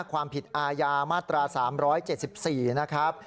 ความผิดอาญามาตรา๓๗๔นะครับ